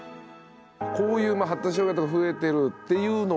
こういう発達障害とか増えてるっていうのはご存じでした？